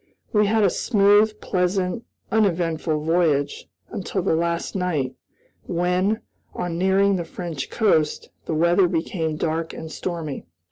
We had a smooth, pleasant, uneventful voyage, until the last night, when, on nearing the French coast, the weather became dark and stormy.